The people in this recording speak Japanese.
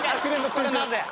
これはなぜ？